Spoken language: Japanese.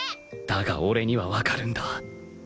だが俺にはわかるんだ